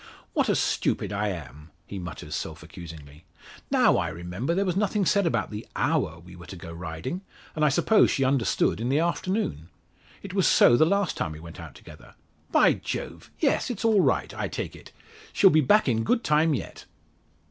"What a stupid I am!" he mutters self accusingly. "Now I remember, there was nothing said about the hour we were to go riding, and I suppose she understood in the afternoon. It was so the last time we went out together. By Jove! yes. It's all right, I take it; she'll be back in good time yet."